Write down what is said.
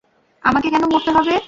আমাকে কেন মরতে হবে?